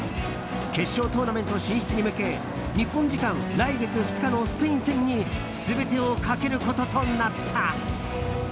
決勝トーナメント進出に向け日本時間、来月２日のスペイン戦に全てをかけることとなった。